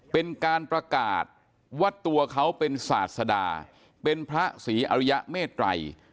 เป็นการประกาศว่าตัวเขาเป็นศาสดาเป็นพระศรีอริยเมตรัย